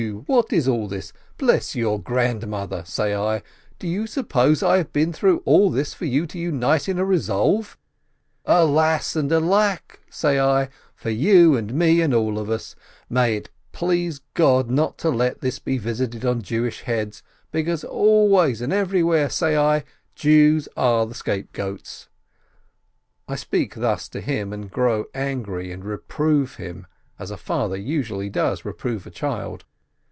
What is all this? Bless your grandmother," say I, "do you suppose I have been through all this for you to unite in a resolve ? Alas ! and alack !" say I, "for you and me and all of us ! May it please God not to let this be visited on Jewish heads, because always and every where," say I, "Jews are the scapegoats." I speak thus to him and grow angry and reprove him as a father usually does reprove a child.